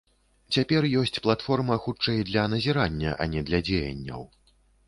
Цяпер ёсць платформа хутчэй для назірання, а не для дзеянняў.